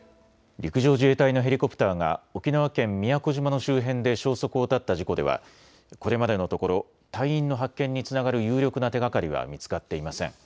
陸上自衛隊のヘリコプターが沖縄県宮古島の周辺で消息を絶った事故ではこれまでのところ隊員の発見につながる有力な手がかりは見つかっていません。